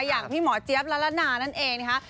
อย่างพี่หมอเจี๊ยบละละนานั่นเองนะคะ